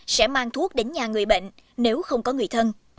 sẽ mang thuốc đến nhà người bệnh nếu không có người thân